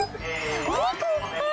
お肉いっぱい。